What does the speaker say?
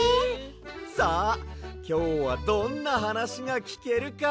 さあきょうはどんなはなしがきけるか。